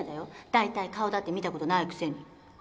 大体顔だって見た事ないくせに。